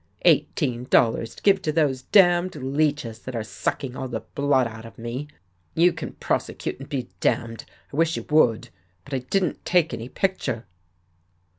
Eighteen dol lars to give to those damned leeches that are suck ing all the blood out of me. You can prosecute, and be damned. I wish you would. But I didn't take any picture."